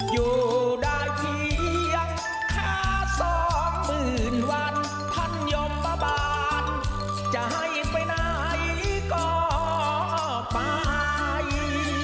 อยู่ได้เพียงแค่สองหมื่นวันท่านยมบาบาลจะให้ไปไหนก็ไป